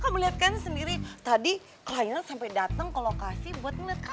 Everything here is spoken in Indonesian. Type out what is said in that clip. kamu liat kan sendiri tadi kliennya sampai dateng ke lokasi buat ngeliatkan